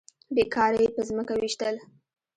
بې کاره يې په ځمکه ويشتل.